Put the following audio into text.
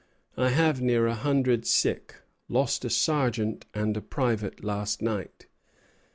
I have near a hundred sick. Lost a sergeant and a private last night."